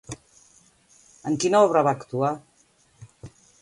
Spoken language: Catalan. En quina obra va actuar?